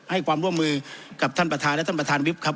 ให้ความร่วมมือกับท่านประธานและท่านประธานวิบครับ